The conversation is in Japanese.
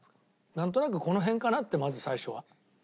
なんとなくこの辺かなってまず最初は。